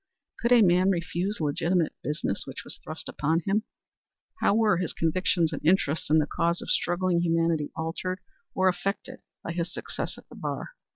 Could a man refuse legitimate business which was thrust upon him? How were his convictions and interest in the cause of struggling humanity altered or affected by his success at the bar?